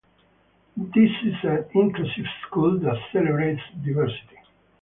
This is an inclusive school that celebrates diversity.